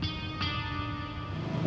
udah ada orang lain yang bantu